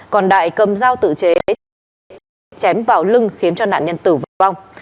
còn đại cầm dao tự chế chém vào lưng khiến cho nạn nhân tử vong